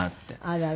あらら。